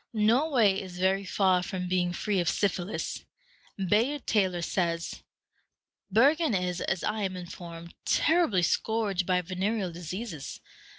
Norway is very far from being free of syphilis. Bayard Taylor says, "Bergen is, as I am informed, terribly scourged by venereal diseases.